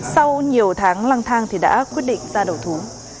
sau nhiều tháng lăng thang thì đã quyết định ra đầu thú